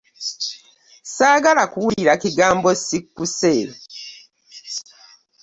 Saagala kuwulira kigambo sikkuse.